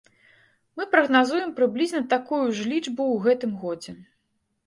Мы прагназуем прыблізна такую ж лічбу ў гэтым годзе.